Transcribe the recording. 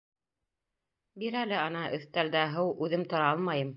— Бир әле, ана, өҫтәлдә... һыу, үҙем тора алмайым.